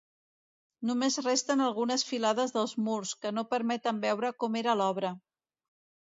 Només resten algunes filades dels murs, que no permeten veure com era l'obra.